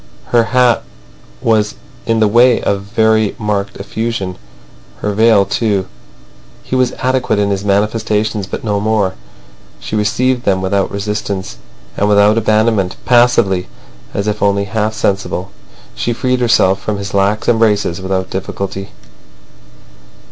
Her hat was in the way of very marked effusion; her veil too. He was adequate in his manifestations, but no more. She received them without resistance and without abandonment, passively, as if only half sensible. She freed herself from his lax embraces without difficulty.